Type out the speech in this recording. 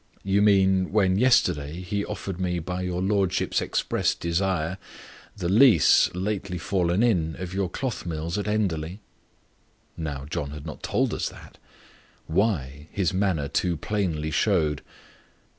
"You mean, when, yesterday, he offered me, by your lordship's express desire, the lease, lately fallen in, of your cloth mills at Enderley?" Now, John had not told us that! why, his manner too plainly showed.